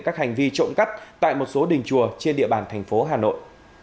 các hành vi trộm cắp tại một số đình chùa trên địa bàn thành phố hà nội